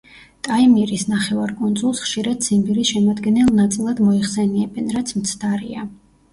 ტაიმირის ნახევარკუნძულს, ხშირად ციმბირის შემადგენელ ნაწილად მოიხსენიებენ, რაც მცდარია.